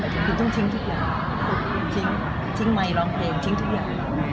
หมายถึงคุณต้องทิ้งทุกอย่างทิ้งไมค์ลองเพลงทิ้งทุกอย่าง